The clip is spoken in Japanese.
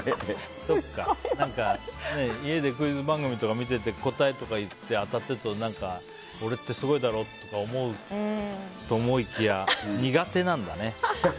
何か家でクイズ番組とか見てて答えとか当たっていると俺ってすごいだろ？とか思うと思いきや苦手なんだね。